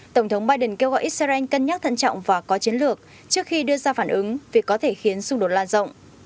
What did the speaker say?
tổng thống biden kêu gọi israel cân nhắc thận trọng và có chiến lược trước khi đưa ra phản ứng việc có thể khiến xung đột lan rộng